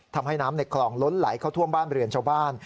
ทำให้น้ำในคลองล้นไหลเข้าท่วมบ้านเรือนชาวบ้าน